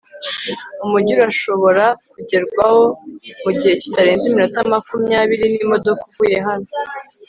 umujyi urashobora kugerwaho mugihe kitarenze iminota makumya biri n'imodoka uvuye hano